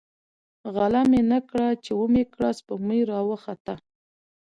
ـ غله مې نه کړه ،چې ومې کړه سپوږمۍ راوخته.